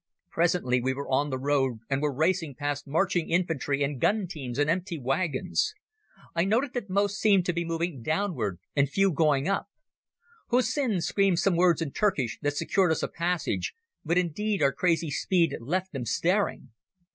Presently we were on the road and were racing past marching infantry and gun teams and empty wagons. I noted that most seemed to be moving downward and few going up. Hussin screamed some words in Turkish that secured us a passage, but indeed our crazy speed left them staring.